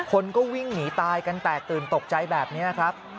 คนก็วิ่งหนีตายกันแตกตื่นตกใจแบบนี้ครับ